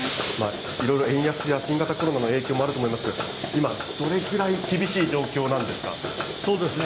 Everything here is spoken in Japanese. いろいろ円安や新型コロナの影響もあると思いますが、今どれぐらい厳しい状況なんですか。